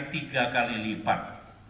dari tiga kali lipat